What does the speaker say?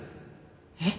えっ？